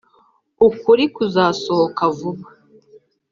ukuri kuzasohoka vuba